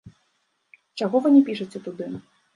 Чаго вы не пішаце туды?